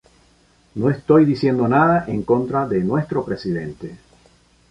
No estoy diciendo nada en contra de nuestro presidente.